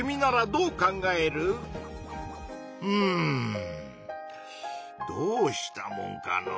うんどうしたもんかのう。